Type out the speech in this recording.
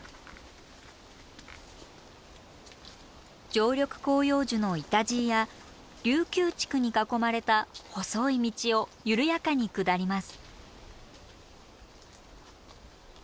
常緑広葉樹のイタジイやリュウキュウチクに囲まれた細い道を緩やかに下ります。